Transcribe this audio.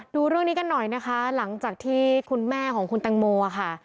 ดูเรื่องนี้กันหน่อยนะคะหลังจากที่คุณแม่ของคุณแตงโมค่ะ